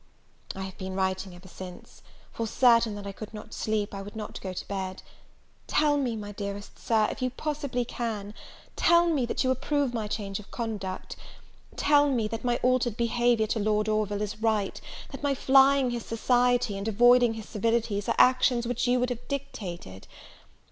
I have been writing ever since; for, certain that I could not sleep, I would not go to bed. Tell me, my dearest Sir, if you possibly can, tell me that you approve my change of conduct, tell me that my altered behaviour to Lord Orville is right, that my flying his society, and avoiding his civilities, are actions which you would have dictated.